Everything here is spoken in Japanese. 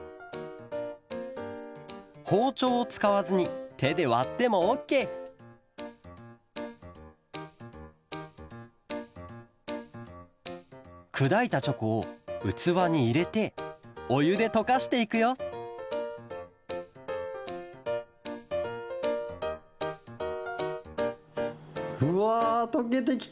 ほうちょうをつかわずにてでわってもオッケーくだいたチョコをうつわにいれておゆでとかしていくようわとけてきた！